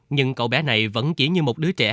nhưng cậu bé này vẫn chỉ như một đứa trẻ